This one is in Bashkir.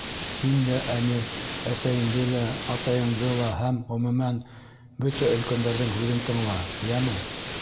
Һин дә, Әмир, әсәйеңде лә, атайыңды ла һәм, ғөмүмән, бөтә өлкәндәрҙең һүҙен тыңла, йәме!